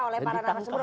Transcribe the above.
oleh para narasumber